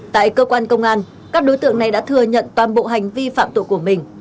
tại cơ quan công an các đối tượng này đã thừa nhận toàn bộ hành vi phạm tội của mình